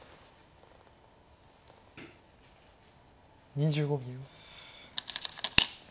２５秒。